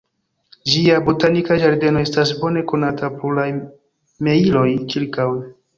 Ĝia botanika ĝardeno estas bone konata pluraj mejloj ĉirkaŭe.